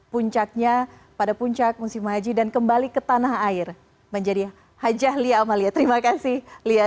puncaknya pada puncak musim haji dan kembali ke tanah air menjadi hajah lia amalia terima kasih lia